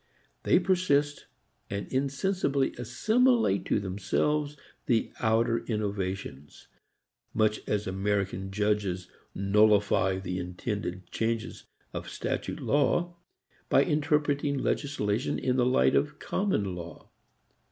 They persist and insensibly assimilate to themselves the outer innovations much as American judges nullify the intended changes of statute law by interpreting legislation in the light of common law.